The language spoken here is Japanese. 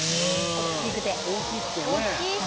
大きくてね。